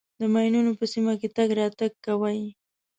د ماینونو په سیمه کې تګ راتګ کوئ.